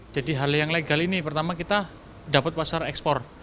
jadi hal yang legal ini pertama kita dapat pasar ekspor